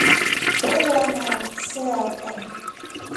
Twelilyana see hata.